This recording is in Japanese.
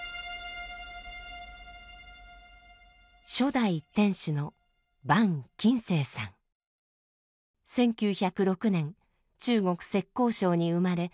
初代店主の１９０６年中国・浙江省に生まれ１９歳で来日。